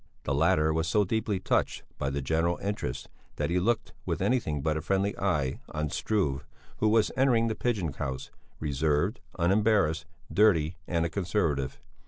The latter was so deeply touched by the general interest that he looked with anything but a friendly eye on Struve, who was entering the pigeon house, reserved, unembarrassed, dirty and a conservative.